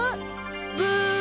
ブー！